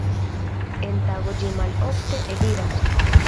En tago ĝi malofte eliras.